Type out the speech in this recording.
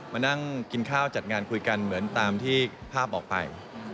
มานั่งกินข้าวจัดงานคุยกันเหมือนตามที่ภาพบอกไป